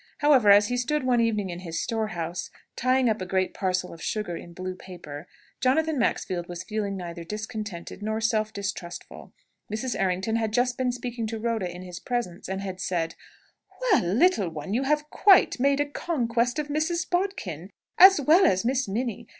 However, as he stood one evening in his storehouse, tying up a great parcel of sugar in blue paper, Jonathan Maxfield was feeling neither discontented nor self distrustful. Mrs. Errington had just been speaking to Rhoda in his presence, and had said: "Well, little one, you have quite made a conquest of Mrs. Bodkin, as well as Miss Minnie.